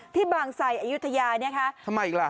ที่บางสายอยุธยาเนี่ยค่ะทำไมอีกล่ะ